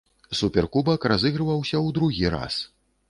Суперкубак разыгрываўся ў другі раз.